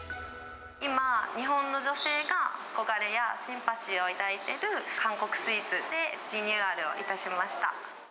今、日本の女性が憧れやシンパシーを抱いている韓国スイーツで、リニューアルをいたしました。